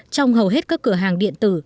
trong hầu hết các cửa hàng điện tử